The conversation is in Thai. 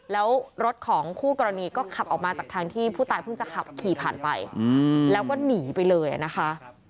แล้วรถของคู่กรณีก็ขับออกมาจากทางที่ผู้ตายเพิ่งจะขับขี่ผ่านไปแล้วก็หนีไปเลยนะคะ